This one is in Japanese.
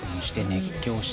熱狂して。